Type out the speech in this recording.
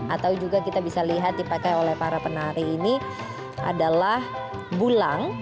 atau juga kita bisa lihat dipakai oleh para penari ini adalah bulang